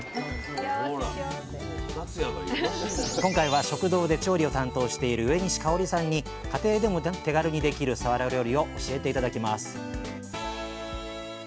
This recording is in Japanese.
今回は食堂で調理を担当している上西かおりさんに家庭でも手軽にできるさわら料理を教えて頂きます